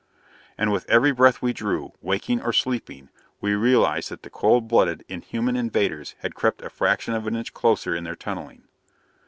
And with every breath we drew, waking or sleeping, we realized that the cold blooded, inhuman invaders had crept a fraction of an inch closer in their tunneling.